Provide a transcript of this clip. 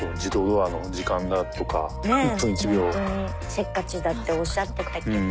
せっかちだっておっしゃってたけど。